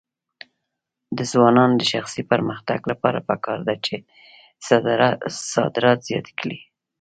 د ځوانانو د شخصي پرمختګ لپاره پکار ده چې صادرات زیات کړي.